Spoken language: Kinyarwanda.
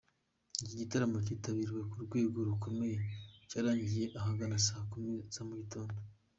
Iki gitaramo cyitabiriwe ku rwego rukomeye cyarangiye ahagana saa kumi za mu gitondo.